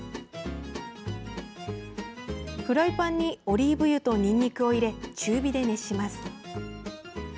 フライパンにオリーブ油とにんにくを入れ、中火で熱します。